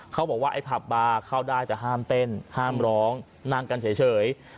เขาบอกว่าไอ้ผับบาร์เข้าได้แต่ห้ามเต้นห้ามร้องนั่งกันเฉย